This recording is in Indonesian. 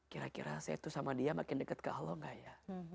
kira kira saya itu sama dia makin dekat ke allah gak ya